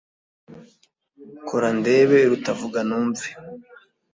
kora ndebe iruta vuga numve